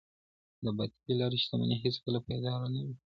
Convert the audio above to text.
د باطلي لاري شتمني هیڅکله پایداره نه وي.